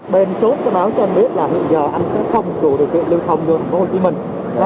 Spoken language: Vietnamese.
bên chốt có báo cho anh biết là hiện giờ anh sẽ không đủ điều kiện lưu thông cho thành phố hồ chí minh